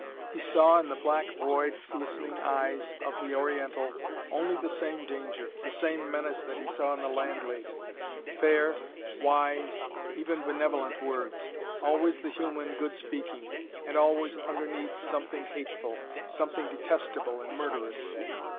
He saw in the black, void, glistening eyes of the oriental only the same danger, the same menace that he saw in the landlady. Fair, wise, even benevolent words: always the human good speaking, and always underneath, something hateful, something detestable and murderous.